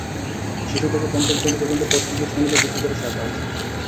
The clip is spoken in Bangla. শিশু থেকে পঞ্চম শ্রেণি পর্যন্ত প্রতিটি শ্রেণিতে দুটি করে শাখা আছে।